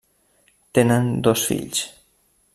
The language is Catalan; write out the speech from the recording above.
Tenen dos fills.